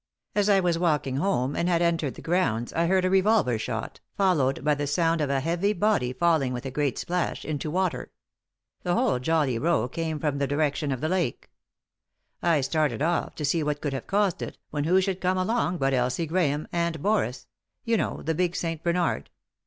As I was walking home, and had entered the 261 :>ig!fe e d> Google THE INTERRUPTED KISS grounds, I heard a revolver shot, followed by the sound of a heavy body felling with a great splash into water. The whole jolly row came from the direction of the lake. I started ofT to see what could have caused it, when who should come along but Elsie Grahame and Boris — you know, the big St. Bernard.